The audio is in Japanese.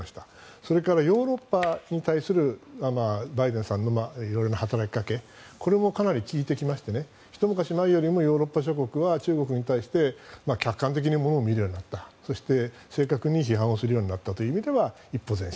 それからヨーロッパに対するバイデンさんの色々な働きかけも効いてきましてひと昔前よりもヨーロッパ諸国は中国に対して客観的にものを見るようになった正確に批判するようになったという意味では一歩前進